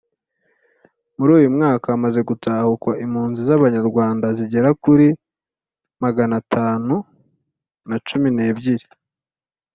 Muri uyu mwaka hamaze gutahuka impunzi z abanyarwanda zigera kuri maganatanu na cumi n’ebyiri